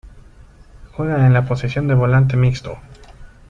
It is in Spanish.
Juega en la posición de volante mixto.